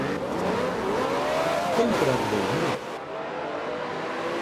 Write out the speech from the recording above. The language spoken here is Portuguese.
Tem cravo-da-Índia?